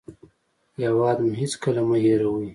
هېواد مو هېڅکله مه هېروئ